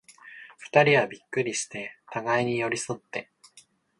二人はびっくりして、互に寄り添って、